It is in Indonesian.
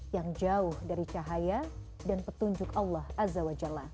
yang jauh dari cahaya dan petunjuk allah azza wa jalla